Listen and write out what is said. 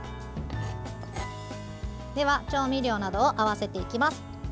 では、調味料などを合わせていきます。